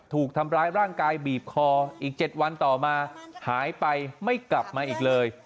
ถูกทำร้ายร่างกายบีบคออีก๗วันต่อมาหายไปไม่กลับมาอีกเลย